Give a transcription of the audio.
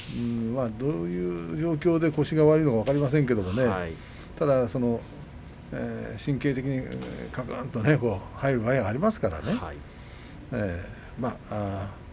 どういう状況で腰が悪いか分かりませんが神経的にがーんとなる場合もあります。